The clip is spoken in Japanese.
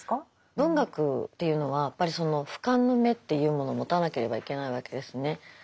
文学っていうのはやっぱりその俯瞰の目っていうものを持たなければいけないわけですね。